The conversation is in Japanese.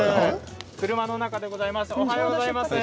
車の中でございます。